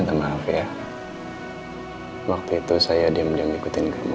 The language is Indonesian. sampai jumpa di video selanjutnya